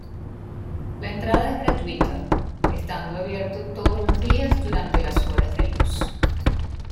La entrada es gratuita, estando abierto todos los días durante las horas de luz.